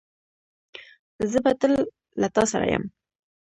زه به تل له تاسره یم